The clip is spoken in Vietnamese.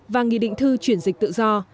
thì định thư chuyển dịch tự do